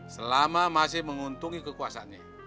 selama masih menguntungi kekuasaannya